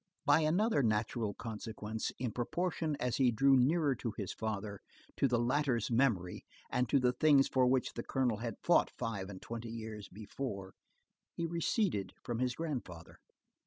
By another natural consequence, in proportion as he drew nearer to his father, to the latter's memory, and to the things for which the colonel had fought five and twenty years before, he receded from his grandfather.